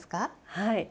はい。